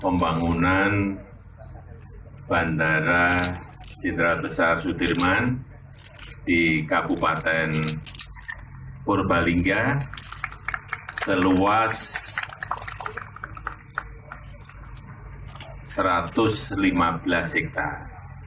pembangunan bandara sidra besar sudirman di kabupaten purbalingga seluas satu ratus lima belas hektare